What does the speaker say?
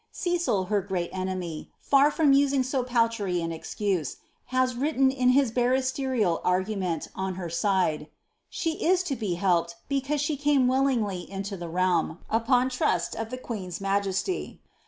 Cecil, her great enemy, far from using so paltry an excuse, has written in his barristerial argument on her side, ^^ She is to be helped because she came willingly into the realm, upon trust of the queen's majesty."